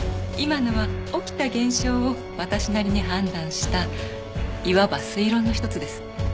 今のは起きた現象を私なりに判断したいわば推論の一つです。